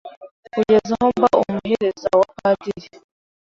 kugeza aho mba umuhereza wa padiri